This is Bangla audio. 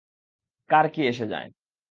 কার কি এসে যায়?